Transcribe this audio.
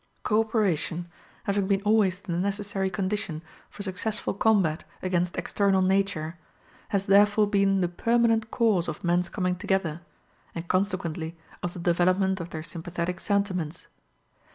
Co operation, having been always the necessary condition for successful combat against external nature, has therefore been the permanent cause of men's coming together, and consequently of the development of their sympathetic sentiments.